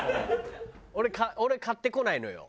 俺買ってこないのよ。